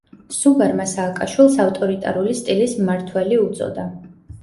სუბარმა სააკაშვილს ავტორიტარული სტილის მმართველი უწოდა.